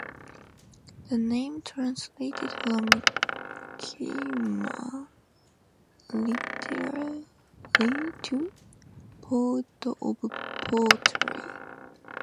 The name translates from Khmer literally to "Port of Pottery".